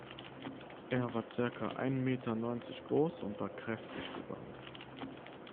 Er war circa ein Meter neunzig groß und war kräftig gebaut.